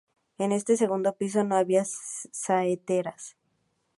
En este segundo piso no había saeteras.